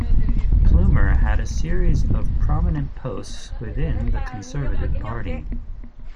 Plummer had a series of prominent posts within the Conservative Party.